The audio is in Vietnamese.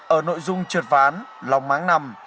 ở nội dung trượt ván lòng máng nằm